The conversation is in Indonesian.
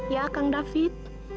ya kang david